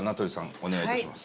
お願いいたします。